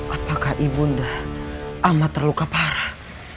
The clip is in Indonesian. apakah ibu nda amat terluka parah